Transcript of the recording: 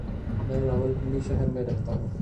میں راولپنڈی شہر میں رہتا ہوں۔